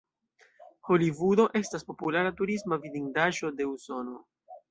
Holivudo estas populara turisma vidindaĵo de Usono.